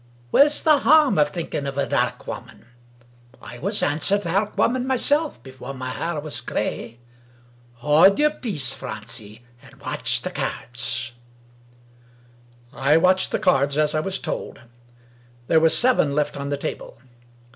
Where's the harm of thinking of a dairk woman! I was ance a dairk woman myself, before my hair was gray. Hand yer peace, Francie, and watch the cairds." I watched the cards as I was told. There were seven left on the table.